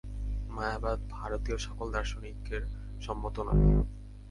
মায়াবাদ ভারতীয় সকল দার্শনিকের সম্মত নয়।